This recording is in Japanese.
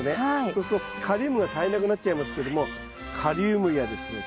そうするとカリウムが足りなくなっちゃいますけどもカリウムやですね